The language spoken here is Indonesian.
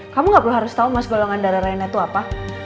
kamu gak perlu harus tahu mas golongan darah raina itu apa